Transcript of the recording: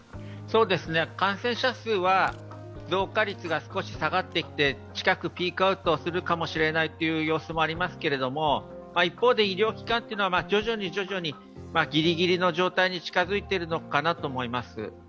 感染者数は増加率が少し下がってきて近くピークアウトするかもしれないという様子もありますけれども、一方で医療機関は徐々にギリギリの状態に近づいているのかなと思います。